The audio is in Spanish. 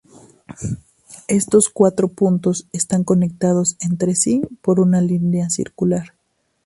Estos cuatro puntos están conectados entre sí por una línea circular.